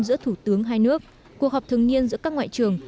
giữa thủ tướng hai nước cuộc họp thường niên giữa các ngoại trưởng